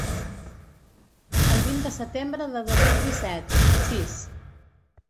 El vint de setembre de dos mil disset; sis.